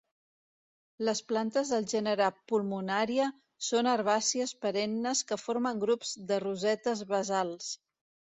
Les plantes del gènere Pulmonària són herbàcies perennes que formen grups de rosetes basals.